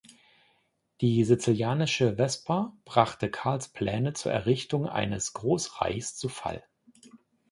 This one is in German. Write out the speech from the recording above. Die sizilianische Vesper brachte Karls Pläne zur Errichtung eines Großreichs zu Fall.